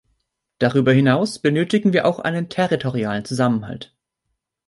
Darüber hinaus benötigen wir auch einen territorialen Zusammenhalt.